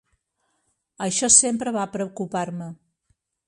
Això sempre va preocupar-me.